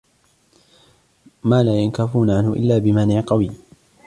مَا لَا يَنْكَفُّونَ عَنْهُ إلَّا بِمَانِعٍ قَوِيٍّ